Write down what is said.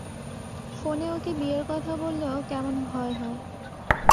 ফোনে ওকে বিয়ের কথা বলতেও কেমন ভয় হয়।